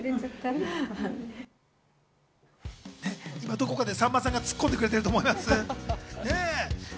どこかでさんまさんがつっこんでいると思います。